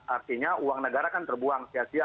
artinya uang negara kan terbuang sia sia